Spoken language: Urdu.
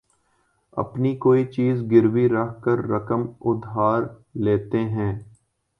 اپنی کوئی چیز گروی رکھ کر رقم ادھار لیتے ہیں